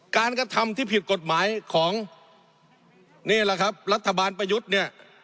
กระทำที่ผิดกฎหมายของนี่แหละครับรัฐบาลประยุทธ์เนี่ย